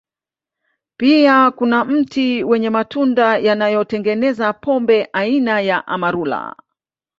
Pia kuna mti wenye matunda yanayotengeneza pombe aina ya Amarula